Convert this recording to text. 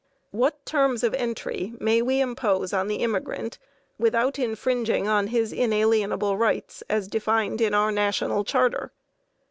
What terms of entry may we impose on the immigrant without infringing on his inalienable rights, as defined in our national charter?